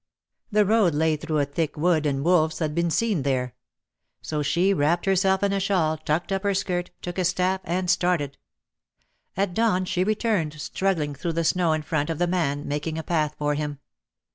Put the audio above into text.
The road lay through a thick wood and wolves had been seen there. So she wrapped herself in a shawl, tucked up her skirt, took a staff and started. At dawn she returned struggling through the snow in front of the man, making a path for him.